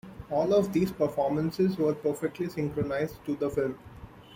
All of these performances were perfectly synchronized to the film.